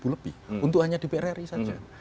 tujuh ribu lebih untuk hanya di prri saja